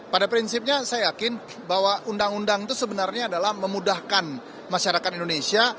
pada prinsipnya saya yakin bahwa undang undang itu sebenarnya adalah memudahkan masyarakat indonesia